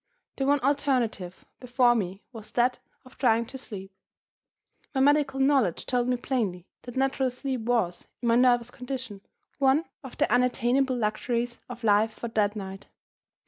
The one alternative before me was that of trying to sleep. My medical knowledge told me plainly that natural sleep was, in my nervous condition, one of the unattainable luxuries of life for that night.